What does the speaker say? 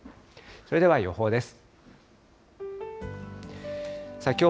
それでは予報です。